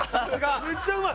めっちゃうまい！